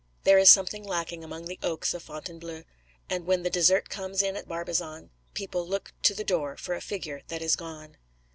There is something lacking among the oaks of Fontainebleau; and when the dessert comes in at Barbizon, people look to the door for a figure that is gone.